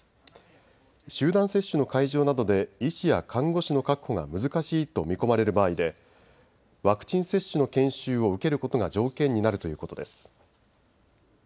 集団接種の会場などで医師や看護師の確保が難しいと見込まれる場合でワクチン接種の研修を受けることが条件になるということです。